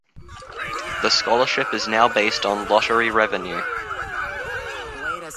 The scholarship is now based on lottery revenue.